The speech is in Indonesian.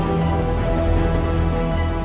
aku akan menang